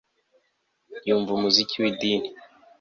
Yumva umuziki widini